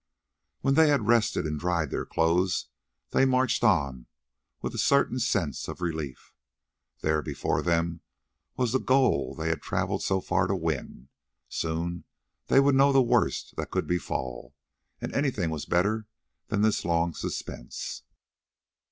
When they had rested and dried their clothes they marched on with a certain sense of relief. There before them was the goal they had travelled so far to win; soon they would know the worst that could befall, and anything was better than this long suspense.